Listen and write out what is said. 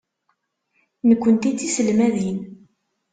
Nekkenti d tiselmadin.